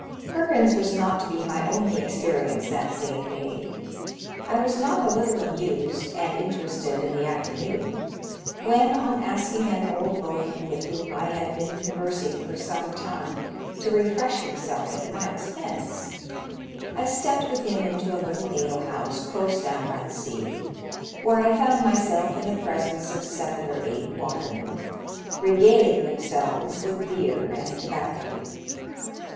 Perkins was not to be my only experience that same day. I was not a little amused and interested in the afternoon when, on asking an old boatman with whom I had been conve^rsing for some time to refresh himself at my expense, I stepped with him into a little alehouse close down by the sea, where I found myself in the presence ot seven or eight watermen, regaling themselves with beer and tobacco.